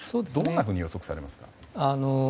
どんなふうに予測されますか。